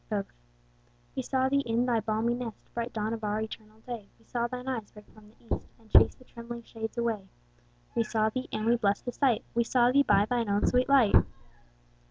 Both. We saw thee in thy balmy nest, Bright dawn of our eternal day; We saw thine eyes break from the east, And chase the trembling shades away: We saw thee (and we blest the sight) We saw thee by thine own sweet light.